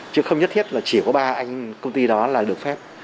chứ không nhất thiết là chỉ có ba anh công ty đó là được phép